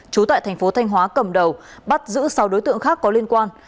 trú tại thành phố thanh hóa cầm đầu bắt giữ sáu đối tượng khác có liên quan